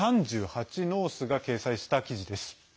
ノースが掲載した記事です。